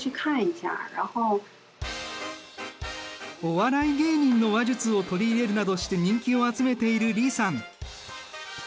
お笑い芸人の話術を取り入れるなどして人気を集めている李さん。